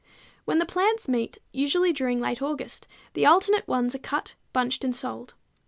When the plants meet, usually during late August, the alternate ones are cut, bunched and sold.